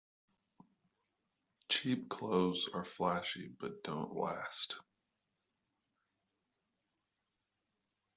Cheap clothes are flashy but don't last.